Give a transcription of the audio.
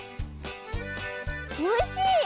おいしい！